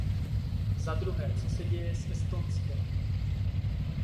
Zadruhé, co se děje s Estonskem?